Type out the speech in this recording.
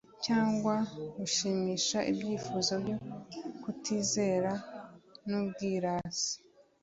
cyangwa gushimisha ibyifuzo byo kutizera n'ubwirasi.